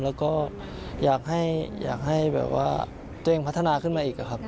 แล้วก็อยากให้แบบว่าตัวเองพัฒนาขึ้นมาอีกครับ